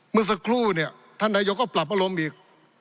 เมื่อสักครู่เนี่ยท่านนายกก็ปรับอารมณ์อีก